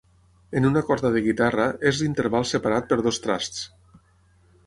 En una corda de guitarra, és l'interval separat per dos trasts.